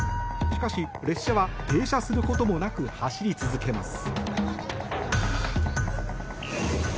しかし、列車は停車することもなく走り続けます。